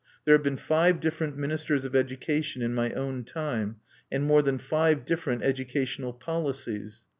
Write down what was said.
There have been five different ministers of education in my own time, and more than five different educational policies.